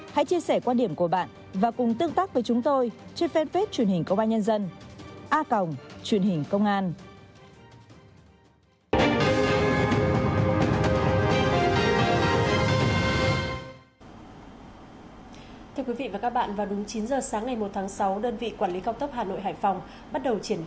hãy chia sẻ quan điểm của bạn và cùng tương tác với chúng tôi trên fanpage truyền hình công an nhân dân